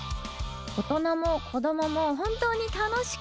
大人も子供も本当に楽しく